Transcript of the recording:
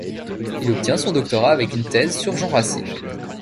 Il obtient son doctorat avec une thèse sur Jean Racine.